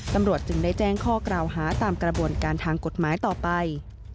ตำรวจจึงได้แจ้งข้อกล่าวหาตามกระบวนการทางกฎหมายต่อไป